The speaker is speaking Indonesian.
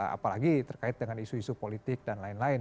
apalagi terkait dengan isu isu politik dan lain lain